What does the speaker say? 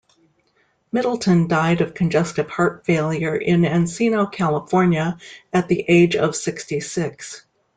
Middleton died of congestive heart failure in Encino, California at the age of sixty-six.